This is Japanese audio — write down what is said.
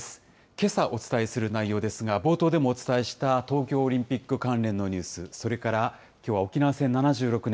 けさお伝えする内容ですが、冒頭でもお伝えした東京オリンピック関連のニュース、それからきょうは沖縄戦７６年。